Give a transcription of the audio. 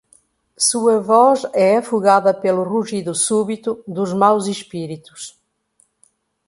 Sua voz é afogada pelo rugido súbito dos maus espíritos.